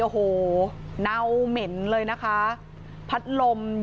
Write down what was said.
เจ้าของห้องเช่าโพสต์คลิปนี้